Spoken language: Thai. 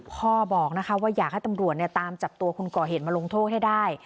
พ่อบอกนะคะว่าอยากให้ตำรวจตามจับตัวคนก่อเหตุมาลงโทษให้ได้